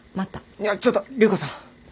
いやちょっと隆子さん。